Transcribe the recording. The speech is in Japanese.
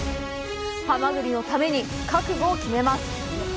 ハマグリのために覚悟を決めます！